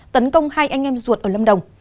tấn công hai anh em ruột ở lâm đồng